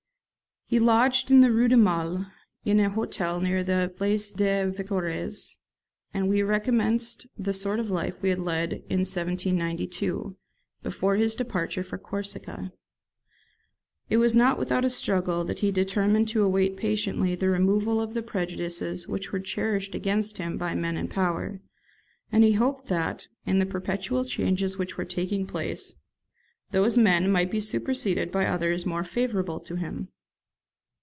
He lodged in the Rue du Mail, in an hotel near the Place des Victoires, and we recommenced the sort of life we had led in 1792, before his departure for Corsica. It was not without a struggle that he determined to await patiently the removal of the prejudices which were cherished against him by men in power; and he hoped that, in the perpetual changes which were taking place, those men might be superseded by others more favourable to him.